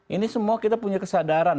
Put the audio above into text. ini semua kita punya kesadaran